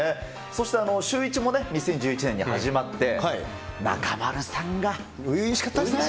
そしてシューイチも２０１１年に始まって、初々しかったね。